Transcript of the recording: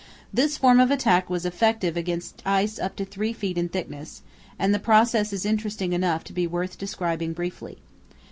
This form of attack was effective against ice up to three feet in thickness, and the process is interesting enough to be worth describing briefly.